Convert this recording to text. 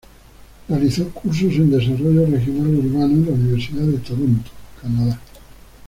Realizó cursos en Desarrollo Regional Urbano en la Universidad de Toronto, Canadá.